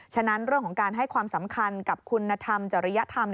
ฉะนั้นเรื่องของการให้ความสำคัญกับคุณธรรมจริยธรรม